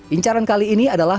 incaran kali ini adalah